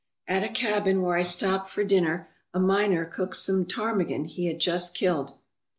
At a cabin where I stopped for dinner, a miner cooked some ptarmigan he had just killed.